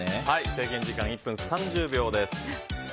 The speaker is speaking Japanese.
制限時間１分３０秒です。